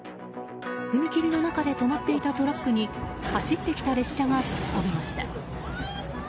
踏切の中で止まっていたトラックに走ってきた列車が突っ込みました。